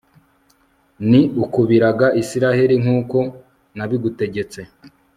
ni ukubiraga israheli nk'uko nabigutegetse